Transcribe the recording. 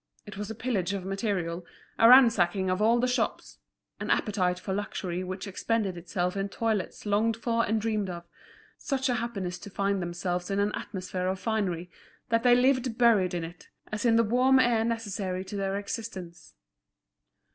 It was a pillage of material, a ransacking of all the shops, an appetite for luxury which expended itself in toilettes longed for and dreamed of—such a happiness to find themselves in an atmosphere of finery, that they lived buried in it, as in the warm air necessary to their existence.